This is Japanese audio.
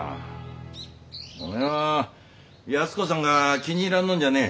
おめえは安子さんが気に入らんのんじゃねえ。